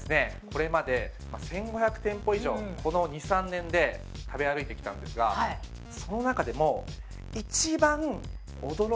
これまで１５００店舗以上この２３年で食べ歩いてきたんですがその中でも。